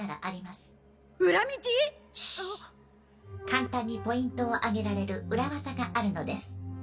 簡単にポイントを上げられる裏技があるのです。